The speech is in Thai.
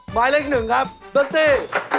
หมายเลขหนึ่งครับดรอตี้